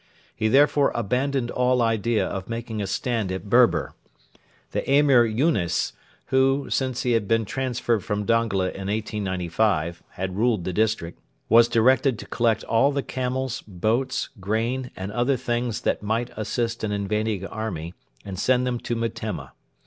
He therefore abandoned all idea of making a stand at Berber. The Emir Yunes who, since he had been transferred from Dongola in 1895, had ruled the district was directed to collect all the camels, boats, grain, and other things that might assist an invading army and send them to Metemma.